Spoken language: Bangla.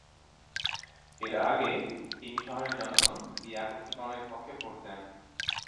এর আগে তিনটি শহরের জনগণ এই একত্রীকরণের পক্ষে ভোট দেন।